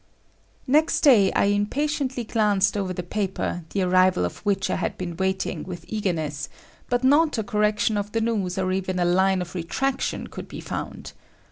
Next day I impatiently glanced over the paper, the arrival of which I had been waiting with eagerness, but not a correction of the news or even a line of retraction could be found.